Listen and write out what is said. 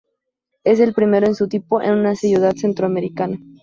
Es el primero en su tipo en una ciudad centroamericana.